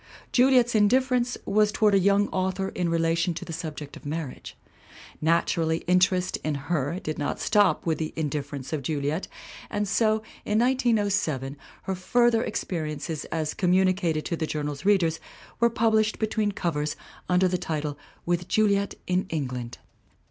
Juliet's indifference was toward a young author in relation to the subject of marriage. Naturally interest in her did not stop with The Indifference of Juliet and so, in 1907, her further experiences as communicated to the Journal's readers were published between covers under the title With Juliet in England.